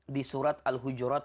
di surat al hujurat